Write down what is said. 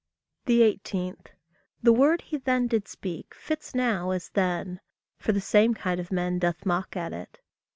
18. The word he then did speak, fits now as then, For the same kind of men doth mock at it.